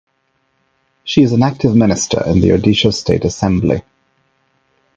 She is an active minister in the Odisha State Assembly.